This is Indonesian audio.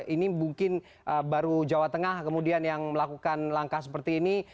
ini mungkin baru jawa tengah kemudian yang melakukan langkah seperti ini